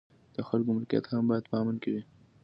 د خلکو ملکیت هم باید په امن کې وي.